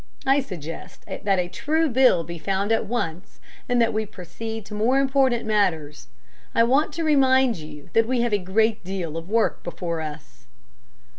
I suggest that a true bill be found at once, and that we proceed to more important matters. I want to remind you that we have a great deal of work before us."